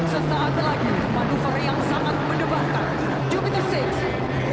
sesaat lagi manufaktur yang sangat mendebarkan jupiter enam